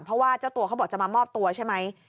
เพราะว่าเจ้าตัวเขาบอกจะมามอบตัวใช่ไหม